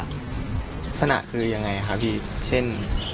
ลักษณะคือยังไงครับพี่เช่น